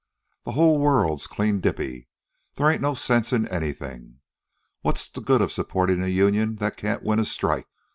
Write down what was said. The whole world's clean dippy. They ain't no sense in anything. What's the good of supportin' a union that can't win a strike?